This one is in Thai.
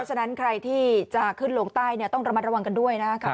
ฉะนั้นใครที่จะขึ้นลงใต้ต้องระมัดระวังกันด้วยนะครับ